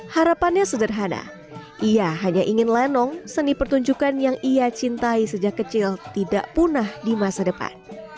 harapannya sederhana ia hanya ingin lenong seni pertunjukan yang ia cintai sejak kecil tidak punah di masa depan